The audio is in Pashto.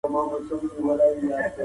خو تېروتني تکرارېږي.